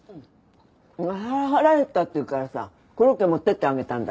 腹減ったって言うからさコロッケ持ってってあげたんだよ。